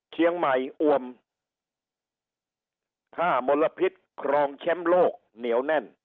เชียงใหม่อวมถ้ามลพิษครองแชมป์โลกเหนียวแน่น